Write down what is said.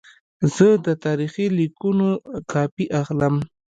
زه د تاریخي لیکونو کاپي اخلم.